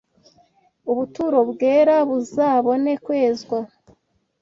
ubuturo bwera buzabone kwezwa.